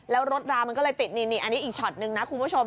แล้วรถรามันก็เลยติดนี่อันนี้อีกช็อตนึงนะคุณผู้ชม